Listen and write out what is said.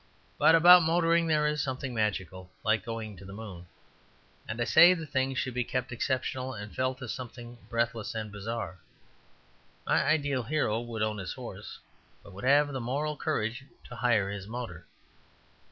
But about motoring there is something magical, like going to the moon; and I say the thing should be kept exceptional and felt as something breathless and bizarre. My ideal hero would own his horse, but would have the moral courage to hire his motor.